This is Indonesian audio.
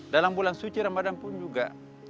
dalam bulan suci ramadan pun juga